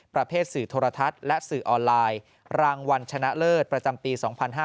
สื่อโทรทัศน์และสื่อออนไลน์รางวัลชนะเลิศประจำปี๒๕๕๙